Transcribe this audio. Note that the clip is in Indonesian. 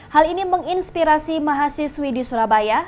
hal ini menginspirasi mahasiswi di surabaya